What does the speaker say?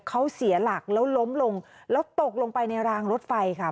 เขาเสียหลักแล้วล้มลงแล้วตกลงไปในรางรถไฟค่ะ